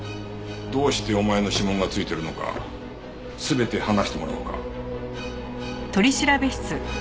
どうしてお前の指紋が付いてるのか全て話してもらおうか。